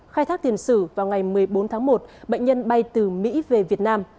khai thác tiền sử vào ngày một mươi bốn tháng một bệnh nhân bay từ mỹ về việt nam